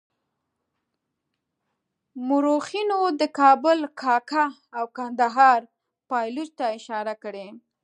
مورخینو د کابل کاکه او کندهار پایلوچ ته اشاره کړې.